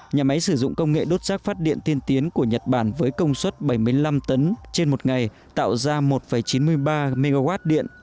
nhà máy sử dụng công nghệ đốt rác phát điện tiên tiến của nhật bản với công suất bảy mươi năm tấn trên một ngày tạo ra một chín mươi ba mw điện